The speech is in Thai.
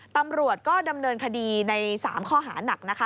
ตำรวจก็ดำเนินคดีใน๓ข้อหานักนะคะ